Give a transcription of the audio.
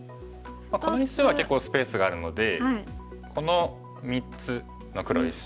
この石は結構スペースがあるのでこの３つの黒石。